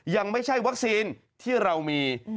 ยังไม่ใช่วัคซีนที่เรามี